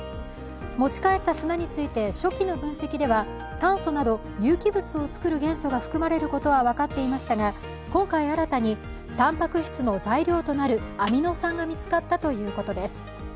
持ち帰った砂について初期の分析では炭素など有機物を作る元素が含まれることは分かっていましたが、今回、新たにたんぱく質の材料となるアミノ酸が見つかったということです。